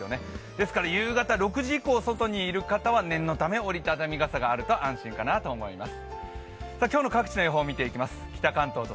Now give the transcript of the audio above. ですから夕方６時以降外にいる方は、折り畳み傘があると安心かなと思います。